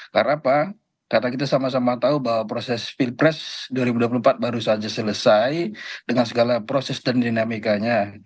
karena apa karena kita sama sama tahu bahwa proses pilpres dua ribu dua puluh empat baru saja selesai dengan segala proses dan dinamikanya